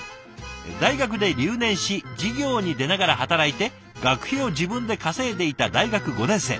「大学で留年し授業に出ながら働いて学費を自分で稼いでいた大学５年生。